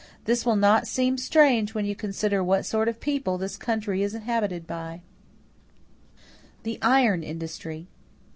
This will not seem strange when you consider what sort of people this country is inhabited by." =The Iron Industry.